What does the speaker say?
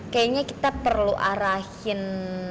kayaknya kita perlu arahin